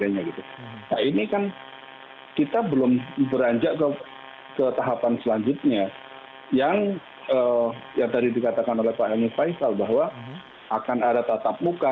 nah ini kan kita belum beranjak ke tahapan selanjutnya yang tadi dikatakan oleh pak emil faisal bahwa akan ada tatap muka